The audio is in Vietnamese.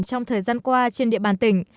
trong thời gian qua trên địa bàn tỉnh